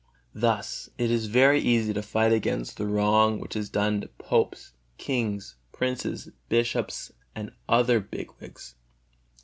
Thus it is very easy to fight against the wrong which is done to popes, kings, princes, bishops and other big wigs.